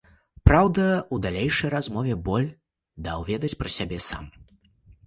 Праўда, у далейшай размове боль даў ведаць пра сябе сам.